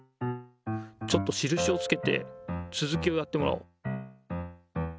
ちょっとしるしをつけてつづきをやってもらおう。